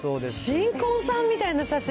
新婚さんみたいな写真。